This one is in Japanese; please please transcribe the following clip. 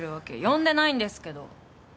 呼んでないんですけど。